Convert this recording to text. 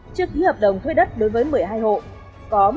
trước khi hợp đồng thuê đất đối với các thừa đất không đủ